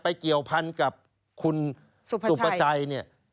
ไปเกี่ยวภันฑ์กับคุณสุปประชัย